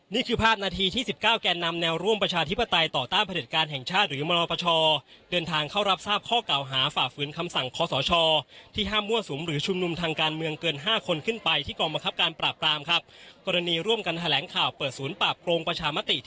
นี่คือภาพนาทีที่๑๙แกนนำแนวร่วมประชาธิปไตยต่อต้านผลิตการแห่งชาติหรือมรปชเดินทางเข้ารับทราบข้อเก่าหาฝ่าฝืนคำสั่งคอสชที่ห้ามมั่วสุมหรือชุมนุมทางการเมืองเกิน๕คนขึ้นไปที่กองบังคับการปราบปรามครับกรณีร่วมกันแถลงข่าวเปิดศูนย์ปราบโกงประชามติ